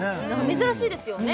珍しいですよね